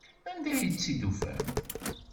Anda ay tt-id-tufam?